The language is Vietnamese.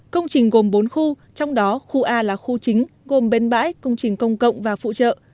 công trình gồm bốn khu trong đó khu a là khu chính gồm bến bãi công trình công cộng và phụ trợ